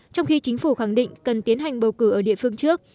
trong khi chính phủ khẳng định cần tiến hành bầu cử ở địa phương trước